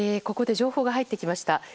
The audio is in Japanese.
ここで情報が入ってきました。